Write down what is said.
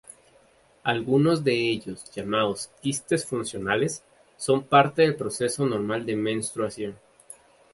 Algunos de ellos, llamados "quistes funcionales" son parte del proceso normal de menstruación.